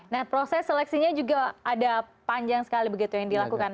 nah proses seleksinya juga ada panjang sekali begitu yang dilakukan